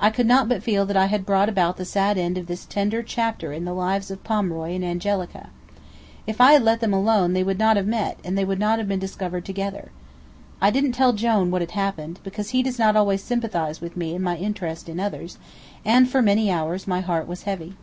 I could not but feel that I had brought about the sad end of this tender chapter in the lives of Pomeroy and Angelica. If I had let them alone they would not have met and they would not have been discovered together. I didn't tell Jone what had happened, because he does not always sympathize with me in my interest in others, and for hours my heart was heavy.